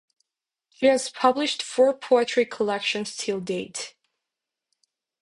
She has published four poetry collections till date.